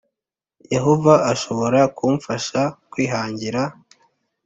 Yehova ashobora kumfasha kwihangira